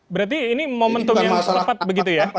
berarti ini momentum yang tepat begitu ya